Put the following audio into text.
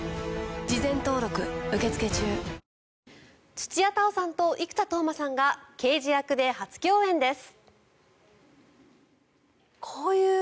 土屋太鳳さんと生田斗真さんが刑事役で初共演です。